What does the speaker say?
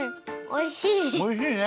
おいしいね。